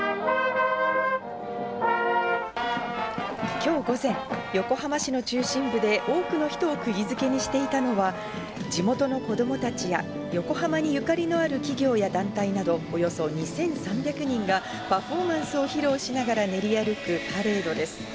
きょう午前、横浜市の中心部で多くの人をくぎづけにしていたのは、地元の子どもたちや横浜にゆかりのある企業や団体などおよそ２３００人がパフォーマンスを披露しながら練り歩くパレードです。